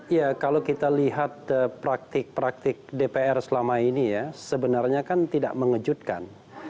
ya kalau kita lihat praktik praktik dpr selama ini ya sebenarnya kan tidak mengejutkan